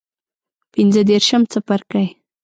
پنځه دیرشم څپرکی